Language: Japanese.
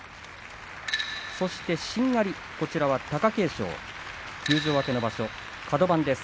そしてしんがり貴景勝休場明けの場所、カド番です。